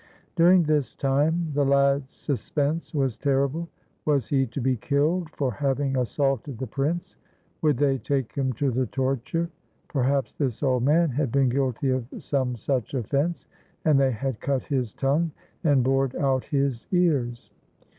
During this time the lad's suspense was terrible. Was he to be killed for having assaulted the prince? Would they take him to the torture? Perhaps this old man had been guilty of some such offense, and they had cut his tongue and bored out his ears!